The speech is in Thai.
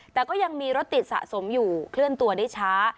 แต่ก็ยังมีรถติดสะสมอยู่เคลื่อนตัวได้ช้า